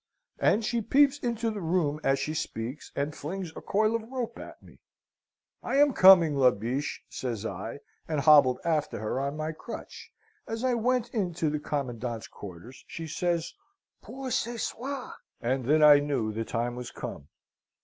And she peeps into the room as she speaks, and flings a coil of rope at me. "'I am coming, La Biche,' says I, and hobbled after her on my crutch. As I went in to the commandant's quarters she says, 'Pour ce soir.' And then I knew the time was come.